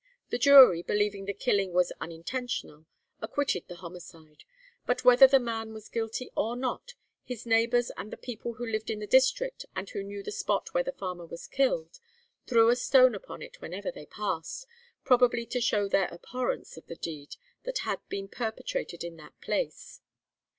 The jury, believing the killing was unintentional, acquitted the homicide; but 'whether the man was guilty or not, his neighbours and the people who lived in the district, and who knew the spot where the farmer was killed, threw a stone upon it whenever they passed, probably to show their abhorrence of the deed that had been perpetrated in that place.